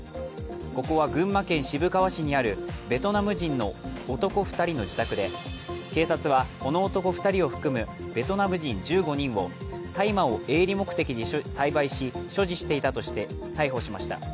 ここは群馬県渋川市にあるベトナム人の男２人の自宅で、警察はこの男２人を含むベトナム人１５人を大麻を営利目的で栽培し、所持していたとして逮捕しました。